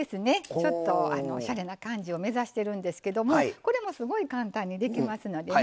ちょっとおしゃれな感じを目指してるんですけどもこれもすごい簡単にできますのでね。